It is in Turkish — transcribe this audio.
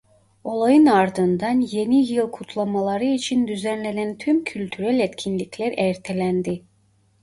Olayın ardından Yeni Yıl kutlamaları için düzenlenen tüm kültürel etkinlikler ertelendi.